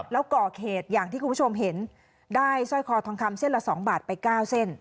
แล้วก่อเหตุอย่างที่คุณผู้ชมเห็นได้สร้อยคอทองคำเส้นละ๒บาทไป๙เส้น